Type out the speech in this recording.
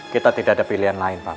kita tidak ada pilihan lain pak